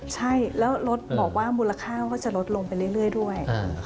ใช่แล้วรถบอกว่ามูลค่าก็จะลดลงไปเรื่อยด้วย